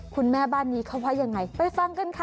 คุณแม่บ้านนี้เขาว่ายังไงไปฟังกันค่ะ